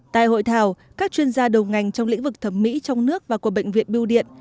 tại hội thảo các chuyên gia đầu ngành trong lĩnh vực thẩm mỹ trong nước và của bệnh viện biêu điện